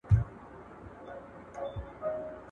زموږ په هېواد کي څېړني له خنډونو سره مخ دي.